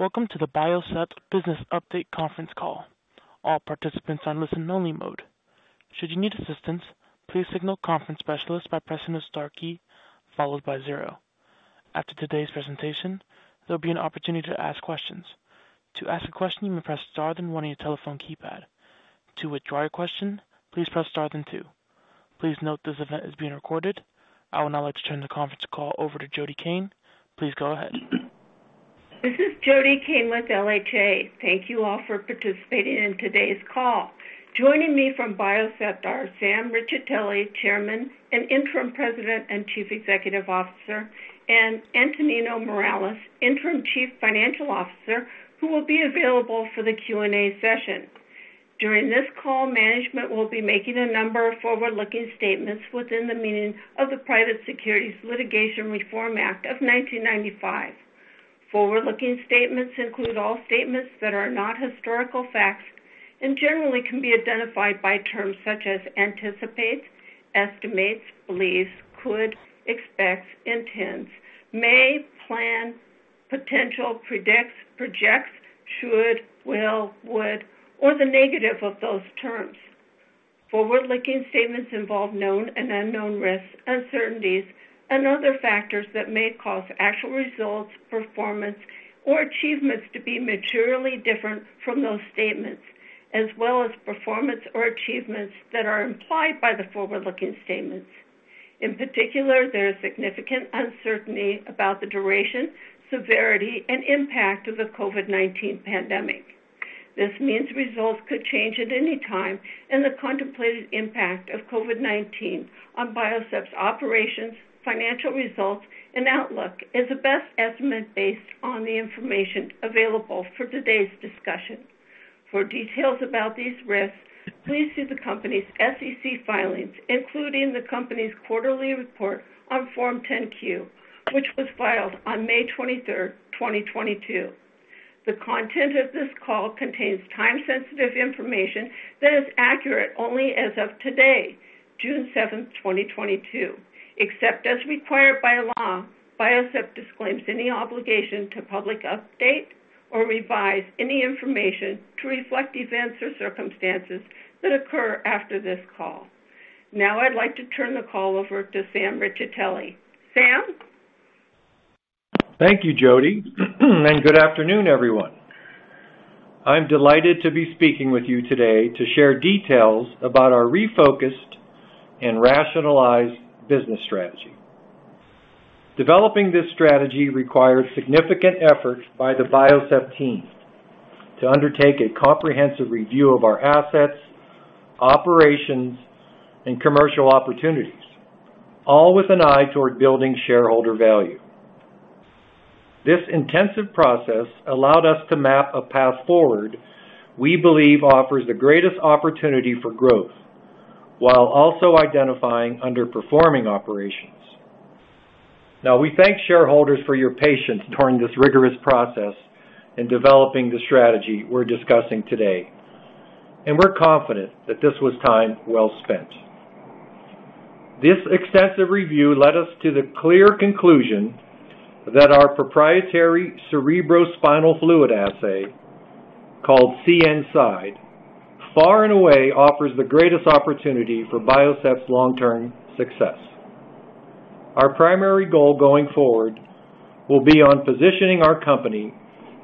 Welcome to the Biocept business update conference call. All participants are in listen only mode. Should you need assistance, please signal conference specialist by pressing the star key followed by zero. After today's presentation, there'll be an opportunity to ask questions. To ask a question, you may press Star then one on your telephone keypad. To withdraw your question, please press star then two. Please note this event is being recorded. I would now like to turn the conference call over to Jody Cain. Please go ahead. This is Jody Cain with LHA. Thank you all for participating in today's call. Joining me from Biocept are Sam Riccitelli, Chairman and Interim President and Chief Executive Officer, and Antonino Morales, Interim Chief Financial Officer, who will be available for the Q&A session. During this call, management will be making a number of forward-looking statements within the meaning of the Private Securities Litigation Reform Act of 1995. Forward-looking statements include all statements that are not historical facts and generally can be identified by terms such as anticipates, estimates, believes, could, expects, intends, may, plan, potential, predicts, projects, should, will, would, or the negative of those terms. Forward-looking statements involve known and unknown risks, uncertainties and other factors that may cause actual results, performance or achievements to be materially different from those statements, as well as performance or achievements that are implied by the forward-looking statements. In particular, there is significant uncertainty about the duration, severity and impact of the COVID-19 pandemic. This means results could change at any time and the contemplated impact of COVID-19 on Biocept's operations, financial results and outlook is a best estimate based on the information available for today's discussion. For details about these risks, please see the company's SEC filings, including the company's quarterly report on Form 10-Q, which was filed on May 23rd, 2022. The content of this call contains time-sensitive information that is accurate only as of today, June 7th, 2022. Except as required by law, Biocept disclaims any obligation to public update or revise any information to reflect events or circumstances that occur after this call. Now I'd like to turn the call over to Sam Riccitelli. Sam? Thank you, Jody, and good afternoon, everyone. I'm delighted to be speaking with you today to share details about our refocused and rationalized business strategy. Developing this strategy required significant effort by the Biocept team to undertake a comprehensive review of our assets, operations, and commercial opportunities, all with an eye toward building shareholder value. This intensive process allowed us to map a path forward we believe offers the greatest opportunity for growth while also identifying underperforming operations. Now, we thank shareholders for your patience during this rigorous process in developing the strategy we're discussing today. We're confident that this was time well spent. This extensive review led us to the clear conclusion that our proprietary cerebrospinal fluid assay called CNSide far and away offers the greatest opportunity for Biocept's long-term success. Our primary goal going forward will be on positioning our company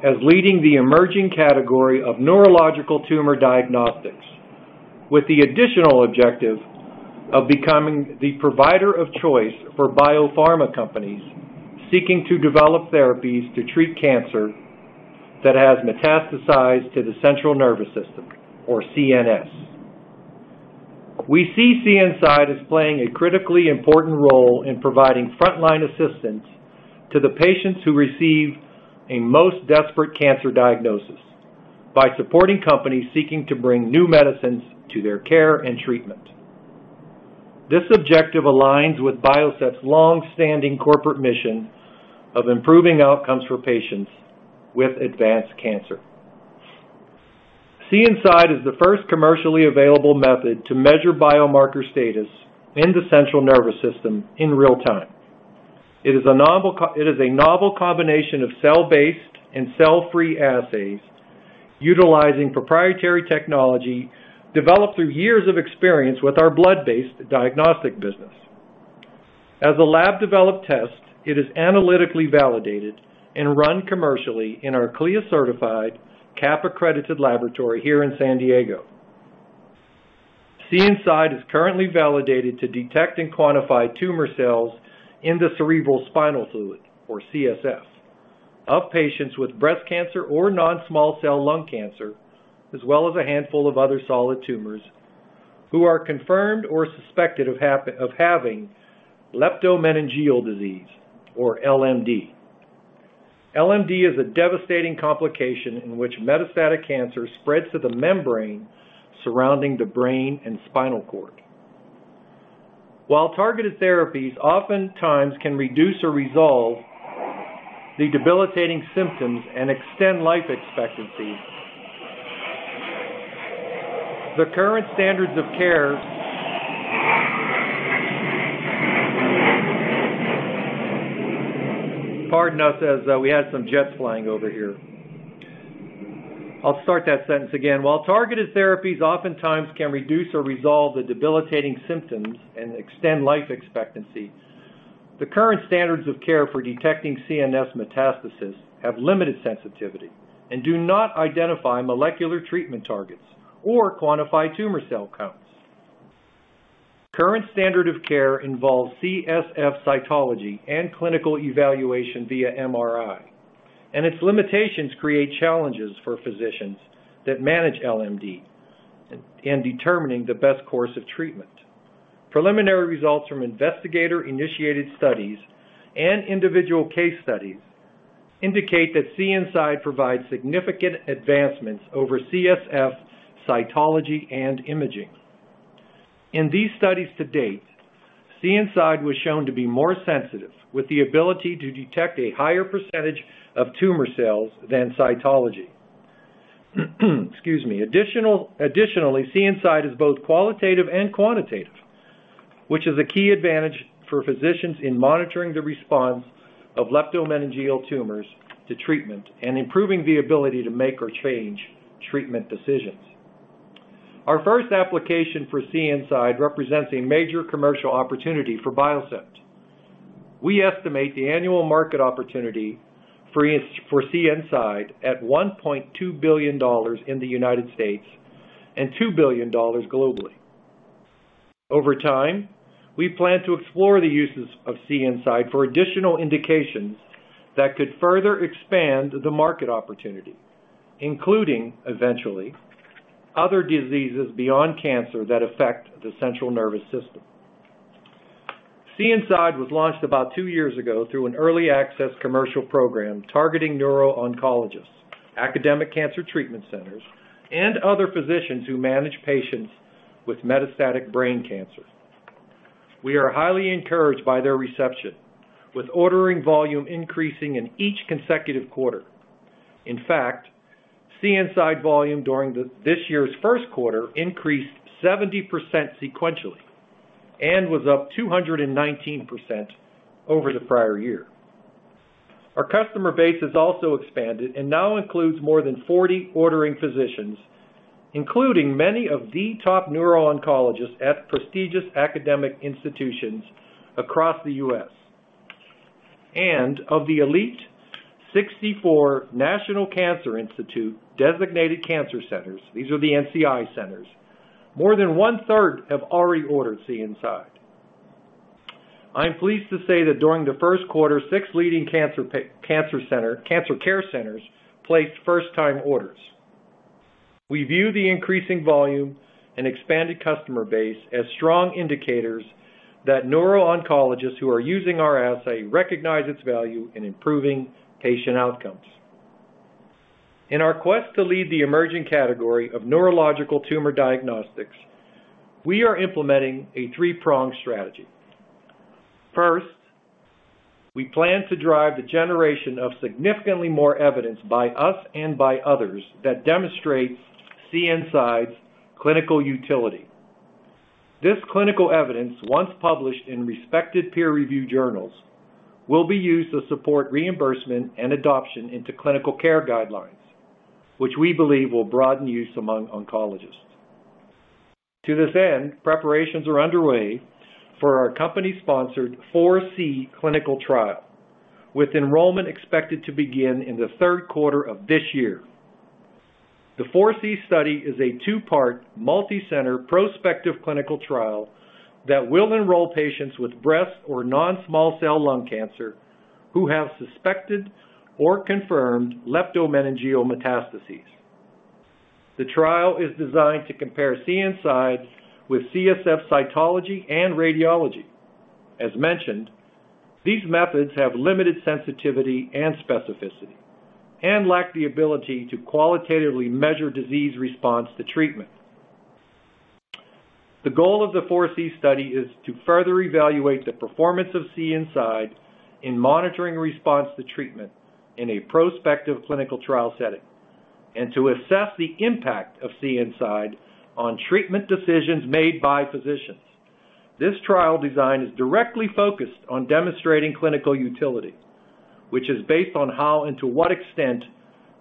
as leading the emerging category of neurological tumor diagnostics, with the additional objective of becoming the provider of choice for biopharma companies seeking to develop therapies to treat cancer that has metastasized to the central nervous system or CNS. We see CNSide as playing a critically important role in providing frontline assistance to the patients who receive a most desperate cancer diagnosis by supporting companies seeking to bring new medicines to their care and treatment. This objective aligns with Biocept's longstanding corporate mission of improving outcomes for patients with advanced cancer. CNSide is the first commercially available method to measure biomarker status in the central nervous system in real time. It is a novel combination of cell-based and cell-free assays utilizing proprietary technology developed through years of experience with our blood-based diagnostic business. As a lab-developed test, it is analytically validated and run commercially in our CLIA certified, CAP accredited laboratory here in San Diego. CNSide is currently validated to detect and quantify tumor cells in the cerebrospinal fluid or CSF of patients with breast cancer or non-small cell lung cancer, as well as a handful of other solid tumors who are confirmed or suspected of having leptomeningeal disease or LMD. LMD is a devastating complication in which metastatic cancer spreads to the membrane surrounding the brain and spinal cord. While targeted therapies oftentimes can reduce or resolve the debilitating symptoms and extend life expectancy. Pardon us as, we had some jets flying over here. I'll start that sentence again. While targeted therapies oftentimes can reduce or resolve the debilitating symptoms and extend life expectancy, the current standards of care for detecting CNS metastasis have limited sensitivity and do not identify molecular treatment targets or quantify tumor cell counts. Current standard of care involves CSF cytology and clinical evaluation via MRI, and its limitations create challenges for physicians that manage LMD in determining the best course of treatment. Preliminary results from investigator-initiated studies and individual case studies indicate that CNSide provides significant advancements over CSF cytology and imaging. In these studies to date, CNSide was shown to be more sensitive, with the ability to detect a higher percentage of tumor cells than cytology. Excuse me. Additionally, CNSide is both qualitative and quantitative, which is a key advantage for physicians in monitoring the response of leptomeningeal tumors to treatment and improving the ability to make or change treatment decisions. Our first application for CNSide represents a major commercial opportunity for Biocept. We estimate the annual market opportunity for CNSide at $1.2 billion in the United States and $2 billion globally. Over time, we plan to explore the uses of CNSide for additional indications that could further expand the market opportunity, including, eventually, other diseases beyond cancer that affect the central nervous system. CNSide was launched about two years ago through an early access commercial program targeting neuro-oncologists, academic cancer treatment centers, and other physicians who manage patients with metastatic brain cancer. We are highly encouraged by their reception, with ordering volume increasing in each consecutive quarter. In fact, CNSide volume during this year's first quarter increased 70% sequentially and was up 219% over the prior year. Our customer base has also expanded and now includes more than 40 ordering physicians, including many of the top neuro-oncologists at prestigious academic institutions across the U.S. Of the elite 64 National Cancer Institute Designated Cancer Centers, these are the NCI centers, more than 1/3 have already ordered CNSide. I'm pleased to say that during the first quarter, six leading cancer care centers placed first-time orders. We view the increasing volume and expanded customer base as strong indicators that neuro-oncologists who are using our assay recognize its value in improving patient outcomes. In our quest to lead the emerging category of neurological tumor diagnostics, we are implementing a 3-pronged strategy. First, we plan to drive the generation of significantly more evidence by us and by others that demonstrates CNSide's clinical utility. This clinical evidence, once published in respected peer-reviewed journals, will be used to support reimbursement and adoption into clinical care guidelines, which we believe will broaden use among oncologists. To this end, preparations are underway for our company-sponsored 4C clinical trial, with enrollment expected to begin in the third quarter of this year. The 4C study is a two-part, multi-center, prospective clinical trial that will enroll patients with breast or non-small cell lung cancer who have suspected or confirmed leptomeningeal metastases. The trial is designed to compare CNSide with CSF cytology and radiology. As mentioned, these methods have limited sensitivity and specificity and lack the ability to qualitatively measure disease response to treatment. The goal of the 4C study is to further evaluate the performance of CNSide in monitoring response to treatment in a prospective clinical trial setting and to assess the impact of CNSide on treatment decisions made by physicians. This trial design is directly focused on demonstrating clinical utility, which is based on how and to what extent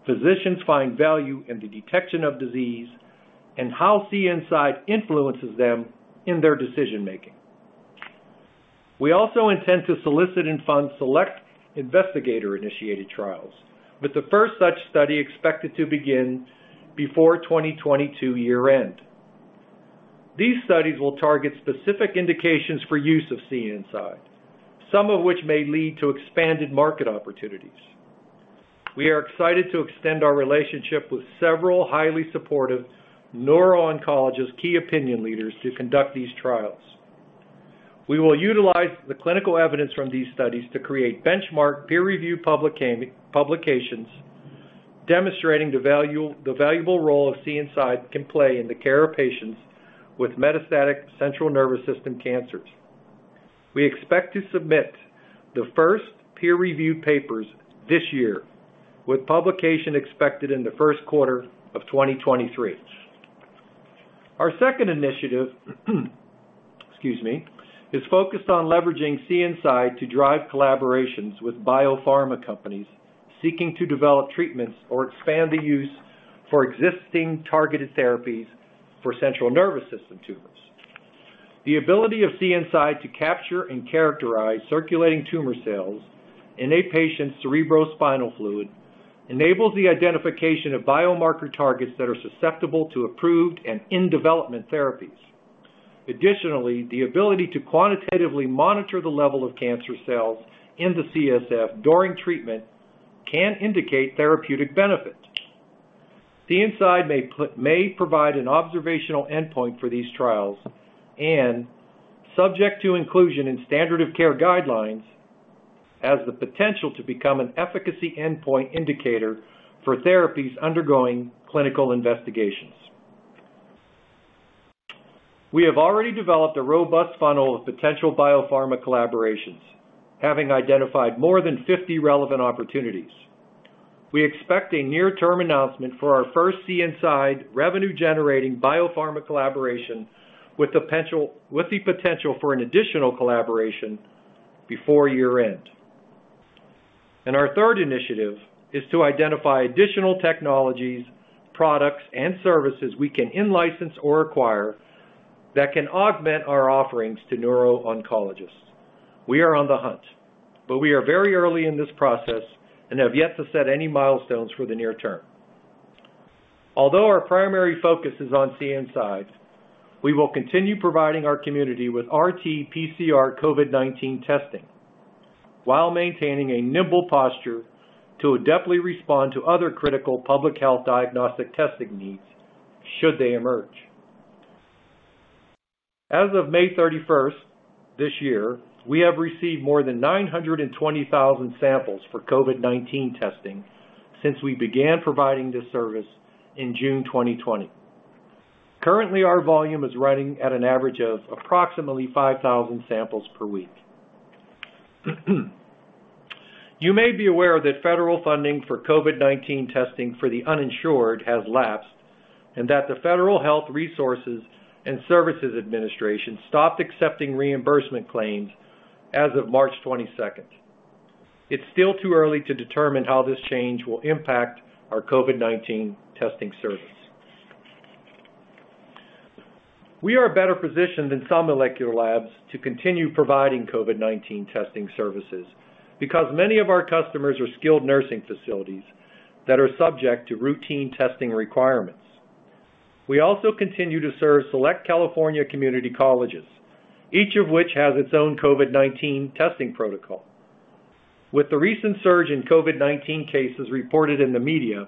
physicians find value in the detection of disease and how CNSide influences them in their decision-making. We also intend to solicit and fund select investigator-initiated trials, with the first such study expected to begin before 2022 year end. These studies will target specific indications for use of CNSide, some of which may lead to expanded market opportunities. We are excited to extend our relationship with several highly supportive neuro-oncologist key opinion leaders to conduct these trials. We will utilize the clinical evidence from these studies to create benchmark peer-reviewed publications demonstrating the valuable role CNSide can play in the care of patients with metastatic central nervous system cancers. We expect to submit the first peer review papers this year with publication expected in the first quarter of 2023. Our second initiative, excuse me, is focused on leveraging CNSide to drive collaborations with biopharma companies seeking to develop treatments or expand the use for existing targeted therapies for central nervous system tumors. The ability of CNSide to capture and characterize circulating tumor cells in a patient's cerebrospinal fluid enables the identification of biomarker targets that are susceptible to approved and in-development therapies. Additionally, the ability to quantitatively monitor the level of cancer cells in the CSF during treatment can indicate therapeutic benefit. CNSide may provide an observational endpoint for these trials and, subject to inclusion in standard of care guidelines, has the potential to become an efficacy endpoint indicator for therapies undergoing clinical investigations. We have already developed a robust funnel of potential biopharma collaborations, having identified more than 50 relevant opportunities. We expect a near-term announcement for our first CNSide revenue-generating biopharma collaboration with the potential for an additional collaboration before year-end. Our third initiative is to identify additional technologies, products, and services we can in-license or acquire that can augment our offerings to neuro-oncologists. We are on the hunt, but we are very early in this process and have yet to set any milestones for the near term. Although our primary focus is on CNSide, we will continue providing our community with RT-PCR COVID-19 testing, while maintaining a nimble posture to adeptly respond to other critical public health diagnostic testing needs should they emerge. As of May 31st this year, we have received more than 920,000 samples for COVID-19 testing since we began providing this service in June 2020. Currently, our volume is running at an average of approximately 5,000 samples per week. You may be aware that federal funding for COVID-19 testing for the uninsured has lapsed, and that the Health Resources and Services Administration stopped accepting reimbursement claims as of March 22nd. It's still too early to determine how this change will impact our COVID-19 testing service. We are better positioned than some molecular labs to continue providing COVID-19 testing services because many of our customers are skilled nursing facilities that are subject to routine testing requirements. We also continue to serve select California community colleges, each of which has its own COVID-19 testing protocol. With the recent surge in COVID-19 cases reported in the media,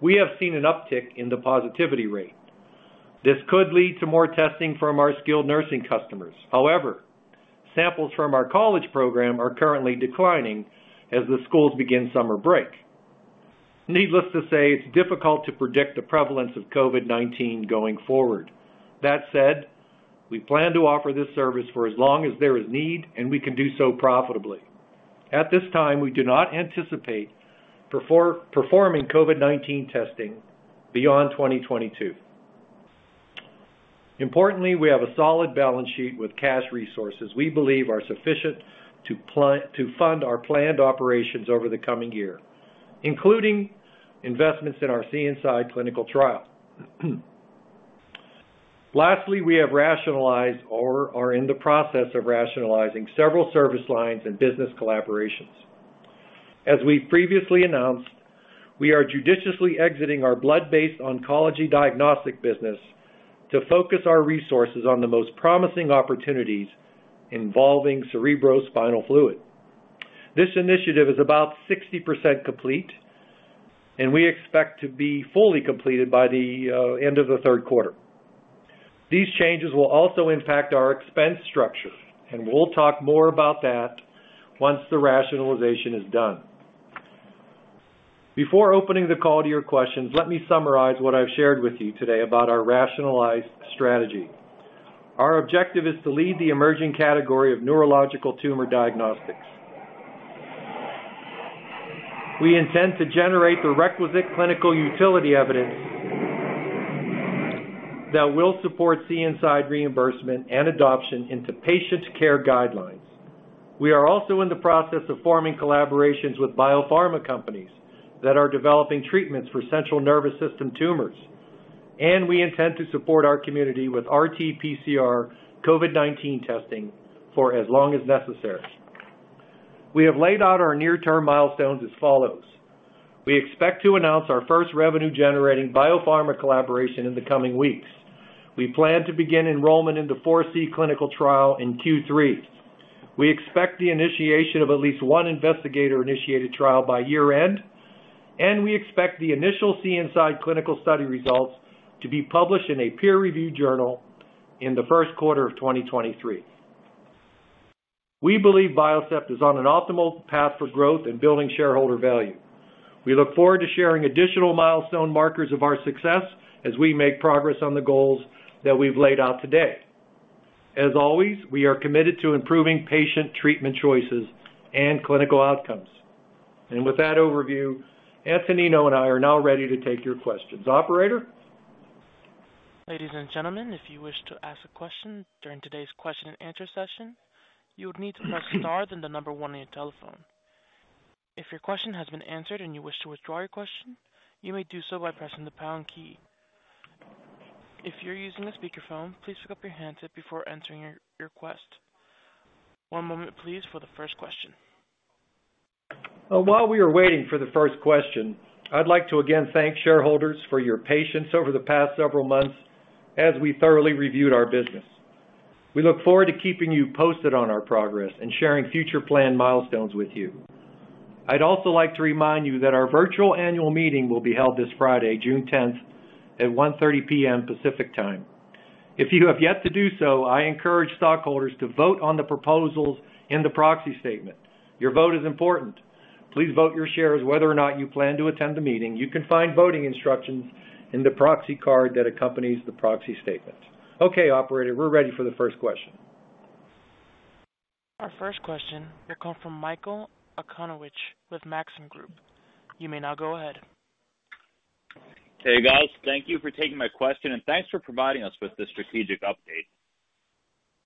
we have seen an uptick in the positivity rate. This could lead to more testing from our skilled nursing customers. However, samples from our college program are currently declining as the schools begin summer break. Needless to say, it's difficult to predict the prevalence of COVID-19 going forward. That said, we plan to offer this service for as long as there is need, and we can do so profitably. At this time, we do not anticipate performing COVID-19 testing beyond 2022. Importantly, we have a solid balance sheet with cash resources we believe are sufficient to plan, to fund our planned operations over the coming year, including investments in our CNSide clinical trial. Lastly, we have rationalized or are in the process of rationalizing several service lines and business collaborations. As we previously announced, we are judiciously exiting our blood-based oncology diagnostic business to focus our resources on the most promising opportunities involving cerebrospinal fluid. This initiative is about 60% complete, and we expect to be fully completed by the end of the third quarter. These changes will also impact our expense structure, and we'll talk more about that once the rationalization is done. Before opening the call to your questions, let me summarize what I've shared with you today about our rationalized strategy. Our objective is to lead the emerging category of neurological tumor diagnostics. We intend to generate the requisite clinical utility evidence that will support CNSide reimbursement and adoption into patient care guidelines. We are also in the process of forming collaborations with biopharma companies that are developing treatments for central nervous system tumors, and we intend to support our community with RT-PCR COVID-19 testing for as long as necessary. We have laid out our near-term milestones as follows. We expect to announce our first revenue-generating biopharma collaboration in the coming weeks. We plan to begin enrollment in the 4C clinical trial in Q3. We expect the initiation of at least one investigator-initiated trial by year-end, and we expect the initial CNSide clinical study results to be published in a peer review journal in the first quarter of 2023. We believe Biocept is on an optimal path for growth and building shareholder value. We look forward to sharing additional milestone markers of our success as we make progress on the goals that we've laid out today. As always, we are committed to improving patient treatment choices and clinical outcomes. With that overview, Antonino and I are now ready to take your questions. Operator? Ladies and gentlemen, if you wish to ask a question during today's question and answer session, you would need to press star then the number one on your telephone. If your question has been answered and you wish to withdraw your question, you may do so by pressing the pound key. If you're using a speakerphone, please pick up your handset before answering your question. One moment please for the first question. Well, while we are waiting for the first question, I'd like to again thank shareholders for your patience over the past several months as we thoroughly reviewed our business. We look forward to keeping you posted on our progress and sharing future plan milestones with you. I'd also like to remind you that our virtual annual meeting will be held this Friday, June 10th at 1:30 P.M. Pacific Time. If you have yet to do so, I encourage stockholders to vote on the proposals in the proxy statement. Your vote is important. Please vote your shares whether or not you plan to attend the meeting. You can find voting instructions in the proxy card that accompanies the proxy statement. Okay, operator, we're ready for the first question. Our first question will come from Michael Okunewitch with Maxim Group. You may now go ahead. Hey, guys. Thank you for taking my question, and thanks for providing us with this strategic update.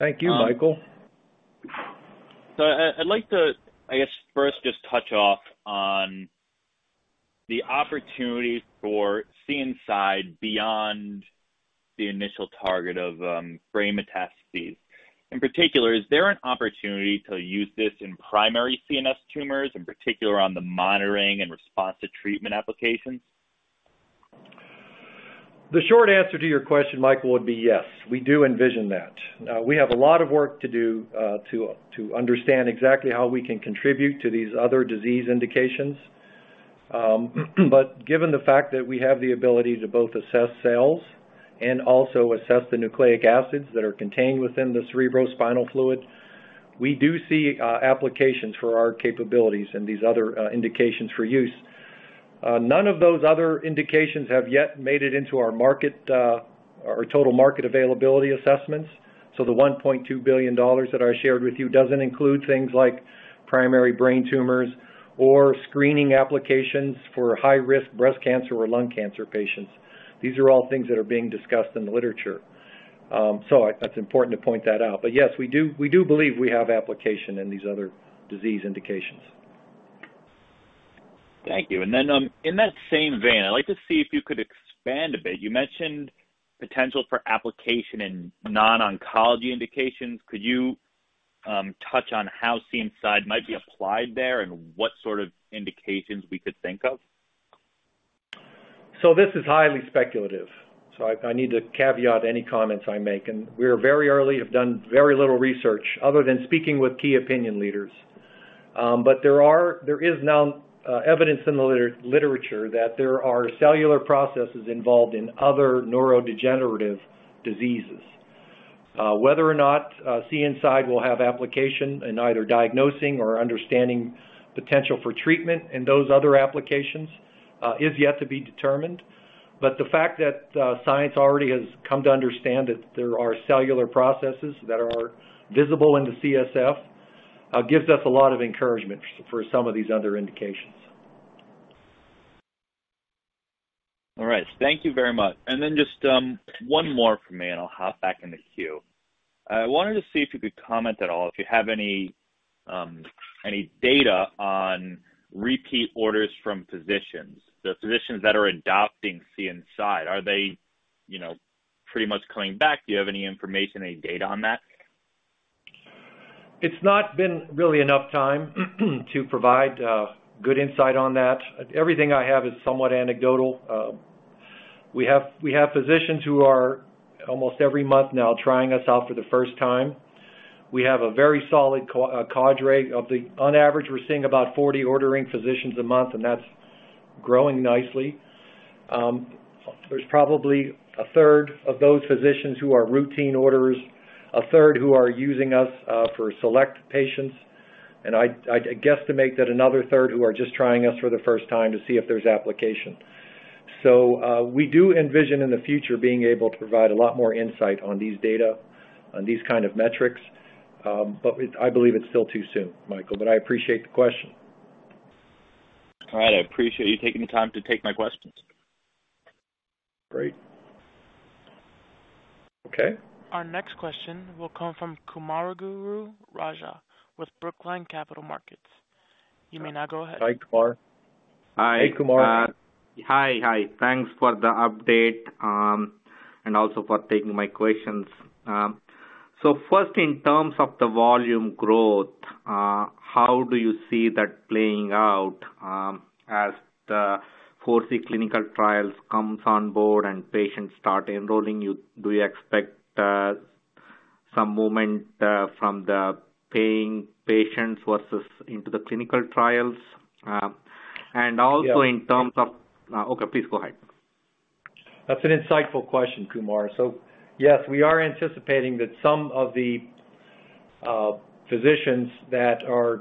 Thank you, Michael. I'd like to, I guess, first just touch on the opportunities for CNSide beyond the initial target of brain metastases. In particular, is there an opportunity to use this in primary CNS tumors, in particular on the monitoring and response to treatment applications? The short answer to your question, Michael, would be yes. We do envision that. We have a lot of work to do to understand exactly how we can contribute to these other disease indications. Given the fact that we have the ability to both assess cells and also assess the nucleic acids that are contained within the cerebrospinal fluid, we do see applications for our capabilities in these other indications for use. None of those other indications have yet made it into our market, our total market availability assessments. The $1.2 billion that I shared with you doesn't include things like primary brain tumors or screening applications for high risk breast cancer or lung cancer patients. These are all things that are being discussed in the literature. That's important to point that out. Yes, we do believe we have application in these other disease indications. Thank you. In that same vein, I'd like to see if you could expand a bit. You mentioned potential for application in non-oncology indications. Could you touch on how CNSide might be applied there and what sort of indications we could think of? This is highly speculative, so I need to caveat any comments I make. We're very early, have done very little research other than speaking with key opinion leaders. There is now evidence in the literature that there are cellular processes involved in other neurodegenerative diseases. Whether or not CNSide will have application in either diagnosing or understanding potential for treatment in those other applications is yet to be determined. The fact that science already has come to understand that there are cellular processes that are visible in the CSF gives us a lot of encouragement for some of these other indications. All right. Thank you very much. Just one more from me, and I'll hop back in the queue. I wanted to see if you could comment at all, if you have any data on repeat orders from physicians. The physicians that are adopting CNSide, are they, you know, pretty much coming back? Do you have any information, any data on that? It's not been really enough time to provide good insight on that. Everything I have is somewhat anecdotal. We have physicians who are almost every month now trying us out for the first time. We have a very solid cadre. On average, we're seeing about 40 ordering physicians a month, and that's growing nicely. There's probably 1/3 of those physicians who are routine orders, 1/3 who are using us for select patients, and I'd guesstimate that another third who are just trying us for the first time to see if there's application. We do envision in the future being able to provide a lot more insight on these data, on these kind of metrics. I believe it's still too soon, Michael, but I appreciate the question. All right. I appreciate you taking the time to take my questions. Great. Okay. Our next question will come from Kumaraguru Raja with Brookline Capital Markets. You may now go ahead. Hi, Kumar. Hi. Hey, Kumar. Hi. Thanks for the update, and also for taking my questions. First, in terms of the volume growth, how do you see that playing out, as the 4C clinical trials comes on board and patients start enrolling in? Do you expect some movement from the paying patients versus into the clinical trials? And also- Yeah. Okay, please go ahead. That's an insightful question, Kumar. Yes, we are anticipating that some of the physicians that are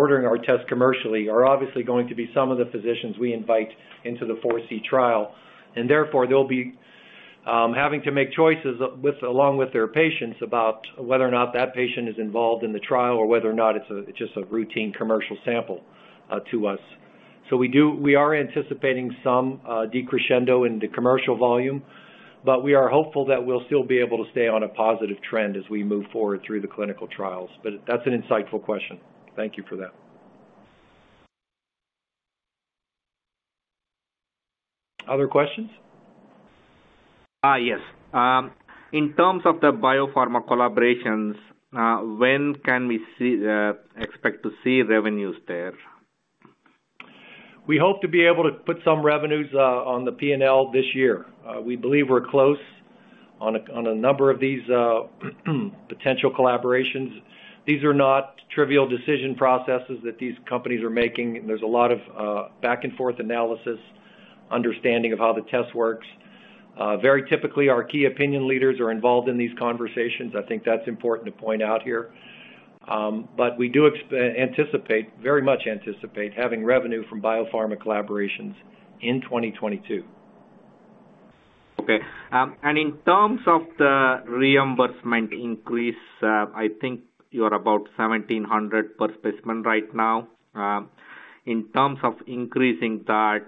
ordering our tests commercially are obviously going to be some of the physicians we invite into the 4C trial. Therefore, they'll be having to make choices along with their patients about whether or not that patient is involved in the trial or whether or not it's just a routine commercial sample to us. We are anticipating some decrescendo in the commercial volume, but we are hopeful that we'll still be able to stay on a positive trend as we move forward through the clinical trials. That's an insightful question. Thank you for that. Other questions? Yes. In terms of the biopharma collaborations, when can we expect to see revenues there? We hope to be able to put some revenues on the P&L this year. We believe we're close on a number of these potential collaborations. These are not trivial decision processes that these companies are making. There's a lot of back-and-forth analysis, understanding of how the test works. Very typically, our key opinion leaders are involved in these conversations. I think that's important to point out here. We do very much anticipate having revenue from biopharma collaborations in 2022. Okay. In terms of the reimbursement increase, I think you're about $1,700 per specimen right now. In terms of increasing that,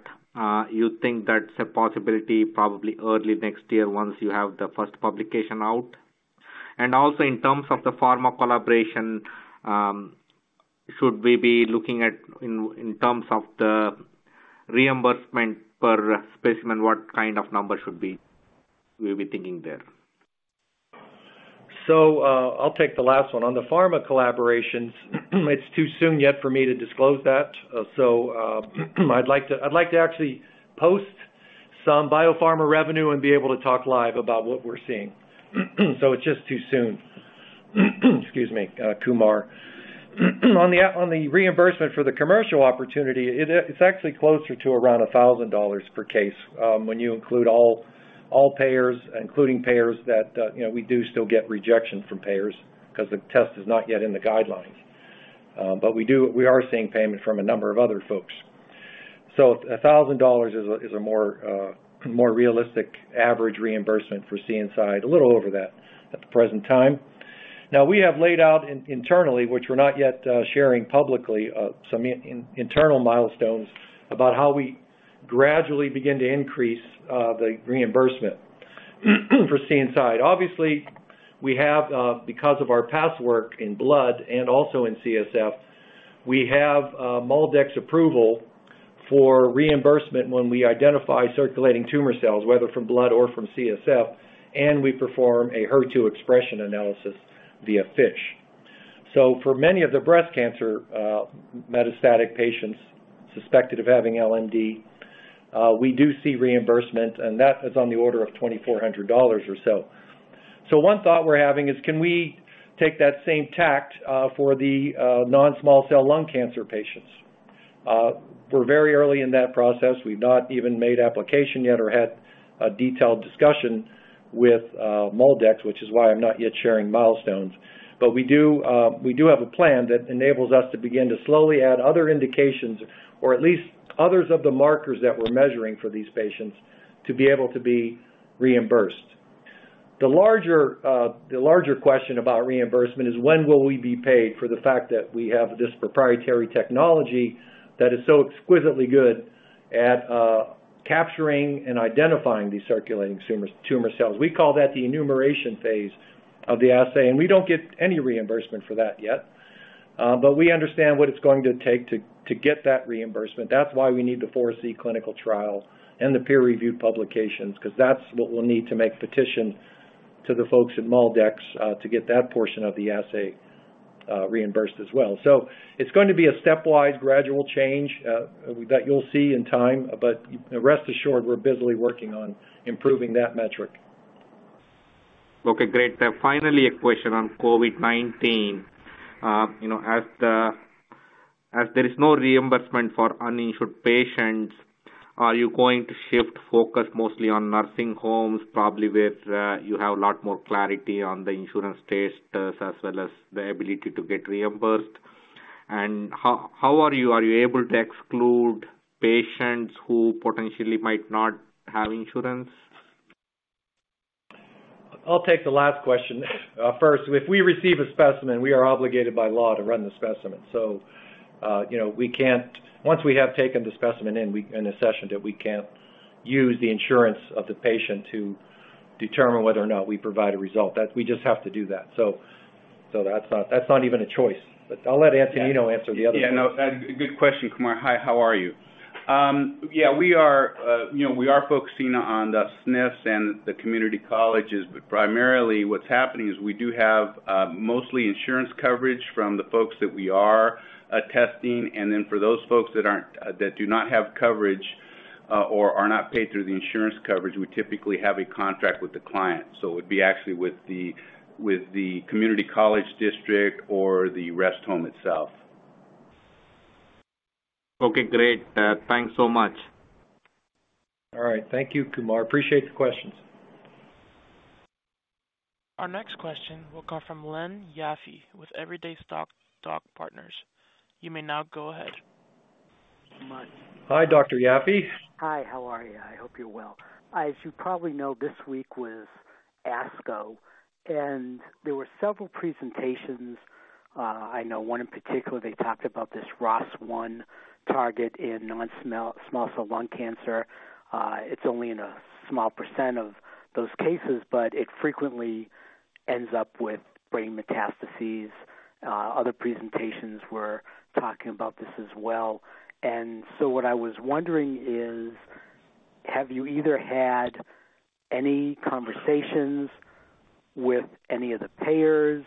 you think that's a possibility probably early next year once you have the first publication out? Also, in terms of the pharma collaboration, should we be looking at, in terms of the reimbursement per specimen, what kind of number should we be thinking there? I'll take the last one. On the pharma collaborations, it's too soon yet for me to disclose that. I'd like to actually post some biopharma revenue and be able to talk live about what we're seeing. It's just too soon, excuse me, Kumar. On the reimbursement for the commercial opportunity, it's actually closer to around $1,000 per case, when you include all payers, including payers that, you know, we do still get rejections from payers 'cause the test is not yet in the guidelines. But we are seeing payment from a number of other folks. $1,000 is a more realistic average reimbursement for CNSide, a little over that at the present time. Now, we have laid out internally, which we're not yet sharing publicly, some internal milestones about how we gradually begin to increase the reimbursement for CNSide. Obviously, we have, because of our past work in blood and also in CSF, MolDX approval for reimbursement when we identify circulating tumor cells, whether from blood or from CSF, and we perform a HER2 expression analysis via FISH. For many of the breast cancer metastatic patients suspected of having LMD, we do see reimbursement, and that is on the order of $2,400 or so. One thought we're having is can we take that same tack for the non-small cell lung cancer patients? We're very early in that process. We've not even made application yet or had a detailed discussion with MolDX, which is why I'm not yet sharing milestones. We do have a plan that enables us to begin to slowly add other indications or at least others of the markers that we're measuring for these patients to be able to be reimbursed. The larger question about reimbursement is when will we be paid for the fact that we have this proprietary technology that is so exquisitely good at capturing and identifying these circulating tumors, tumor cells? We call that the enumeration phase of the assay, and we don't get any reimbursement for that yet. We understand what it's going to take to get that reimbursement. That's why we need the 4C clinical trials and the peer-reviewed publications, 'cause that's what we'll need to make petition to the folks at MolDX, to get that portion of the assay, reimbursed as well. It's going to be a stepwise gradual change, that you'll see in time. Rest assured, we're busily working on improving that metric. Okay, great. Finally, a question on COVID-19. You know, as there is no reimbursement for uninsured patients, are you going to shift focus mostly on nursing homes, probably where you have a lot more clarity on the insurance status as well as the ability to get reimbursed? How are you able to exclude patients who potentially might not have insurance? I'll take the last question. First, if we receive a specimen, we are obligated by law to run the specimen. Once we have taken the specimen in, we accession that we can't use the insurance of the patient to determine whether or not we provide a result. We just have to do that. That's not even a choice. I'll let Antonino answer the other one. Yeah, no, good question, Kumar. Hi, how are you? Yeah, we are, you know, we are focusing on the SNFs and the community colleges. Primarily what's happening is we do have mostly insurance coverage from the folks that we are testing. And then for those folks that do not have coverage or are not paid through the insurance coverage, we typically have a contract with the client. It would be actually with the community college district or the rest home itself. Okay, great. Thanks so much. All right. Thank you, Kumar, appreciate the questions. Our next question will come from Len Yaffe with Stoc*Doc Partners. You may now go ahead. Hi, Dr. Yaffe. Hi, how are you? I hope you're well. As you probably know, this week was ASCO, and there were several presentations. I know one in particular, they talked about this ROS-1 target in non-small cell lung cancer. It's only in a small percent of those cases, but it frequently ends up with brain metastases. Other presentations were talking about this as well. What I was wondering is, have you either had any conversations with any of the payers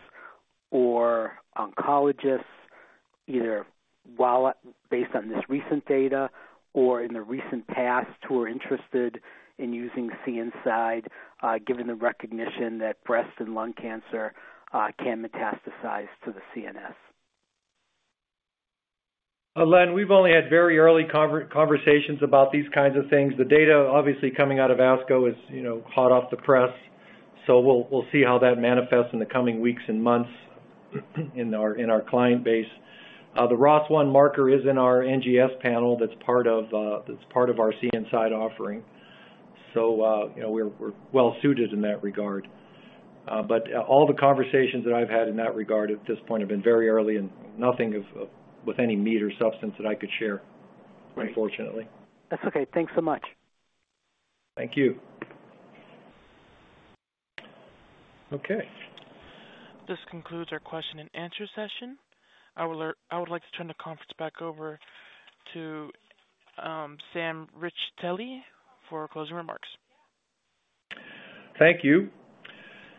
or oncologists, either based on this recent data or in the recent past, who are interested in using CNSide, given the recognition that breast and lung cancer can metastasize to the CNS? Len, we've only had very early conversations about these kinds of things. The data obviously coming out of ASCO is, you know, hot off the press, so we'll see how that manifests in the coming weeks and months in our client base. The ROS-1 marker is in our NGS panel that's part of our CNSide offering. You know, we're well suited in that regard. All the conversations that I've had in that regard at this point have been very early and nothing with any meat or substance that I could share. Right. -unfortunately. That's okay. Thanks so much. Thank you. Okay. This concludes our question and answer session. I would like to turn the conference back over to Sam Riccitelli for closing remarks. Thank you.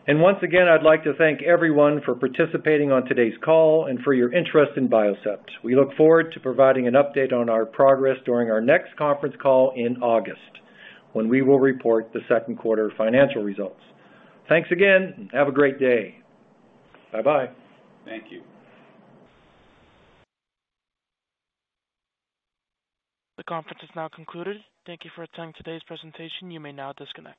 Once again, I'd like to thank everyone for participating on today's call and for your interest in Biocept. We look forward to providing an update on our progress during our next conference call in August, when we will report the second quarter financial results. Thanks again, and have a great day. Bye-bye. Thank you. The conference has now concluded. Thank you for attending today's presentation. You may now disconnect.